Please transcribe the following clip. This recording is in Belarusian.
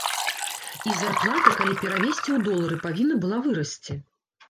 І зарплата, калі перавесці ў долары, павінна была вырасці.